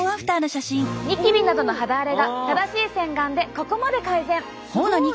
ニキビなどの肌荒れが正しい洗顔でここまで改善！